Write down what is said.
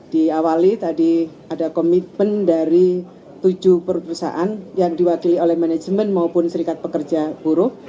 di awali tadi ada komitmen dari tujuh perusahaan yang diwakili oleh manajemen maupun serikat pekerja buruh